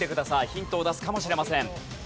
ヒントを出すかもしれません。